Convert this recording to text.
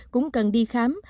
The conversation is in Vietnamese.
cũng cần đi khám